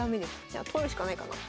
じゃあ取るしかないかな。